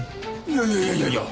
いやいやいやいや。